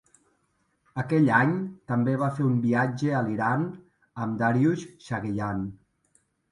Aquell any també va fer un viatge a Iran amb Dariush Shayegan.